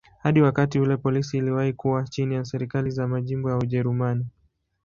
Hadi wakati ule polisi iliwahi kuwa chini ya serikali za majimbo ya Ujerumani.